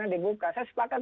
dibuka saya sepakat